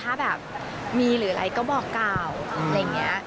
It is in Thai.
ถ้าแบบมีหรืออะไรก็บอกกล่าวอะไรอย่างนี้